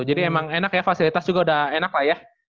jadi emang enak ya fasilitas juga udah enak lah ya